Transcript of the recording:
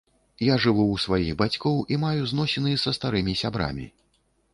Я жыву ў сваіх бацькоў і маю зносіны са старымі сябрамі.